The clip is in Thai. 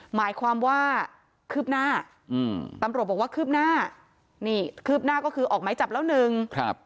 หมายความว่าคืบหน้าอืมตำรวจบอกว่าคืบหน้านี่คืบหน้าก็คือออกไม้จับแล้วหนึ่งครับ